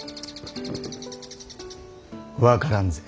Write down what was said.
分からんぜ。